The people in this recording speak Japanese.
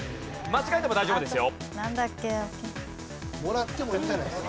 間違えても大丈夫ですよ。